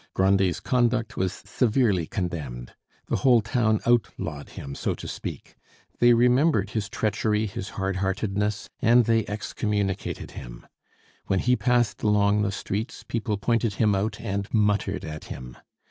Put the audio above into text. Grandet's conduct was severely condemned. The whole town outlawed him, so to speak; they remembered his treachery, his hard heartedness, and they excommunicated him. When he passed along the streets, people pointed him out and muttered at him.